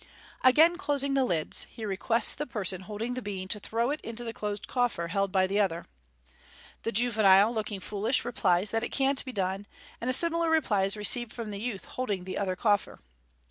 Again closing the lids, he requests the person holding the bean to throw it into the closed coffer held by the other. The juvenile, looking foolish, replies that it can't be done j and a similar reply is received from the youth holding the other coffer.